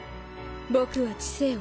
僕は知性を。